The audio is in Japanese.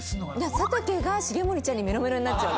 佐竹が重盛ちゃんにメロメロになっちゃうの。